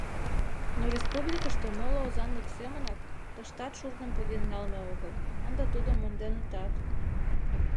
Но республикыште моло озанлык семынак, тыштат шурным поген налме огыл, ынде тудым монденытат.